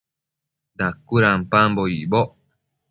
Dacuëdampambo icboc